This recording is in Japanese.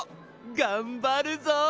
がんばるぞ！